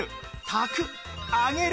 炊く揚げる